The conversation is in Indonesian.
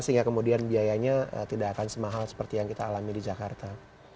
sehingga kemudian biayanya tidak akan semahal seperti yang kita alami di jakarta